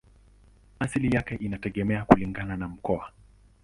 Asili yake inategemea kulingana na mkoa.